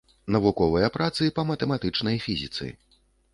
Навуковыя працы па матэматычнай фізіцы.